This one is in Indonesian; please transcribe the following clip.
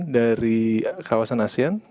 dari kawasan asean